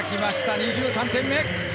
２３点目。